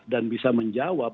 dan bisa menjawab